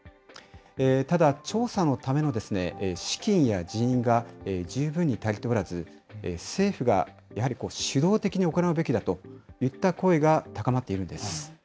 ただ、調査のための資金や人員が十分に足りておらず、政府がやはり主導的に行うべきだといった声が高まっているんです。